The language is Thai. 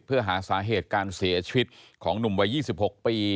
เพื่อหาสาเหตุการเสียชีวิตของหนุ่มวัย๒๖ปี